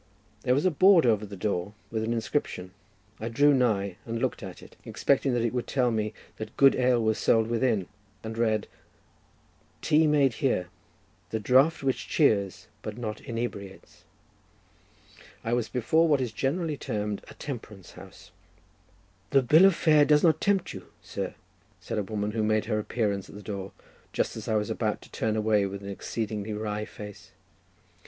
There was a board over the door with an inscription. I drew nigh and looked at it, expecting that it would tell me that good ale was sold within, and read "Tea made here, the draught which cheers but not inebriates." I was before what is generally termed a temperance house. "The bill of fare does not tempt you, sir," said a woman, who made her appearance at the door, just as I was about to turn away with an exceedingly wry face.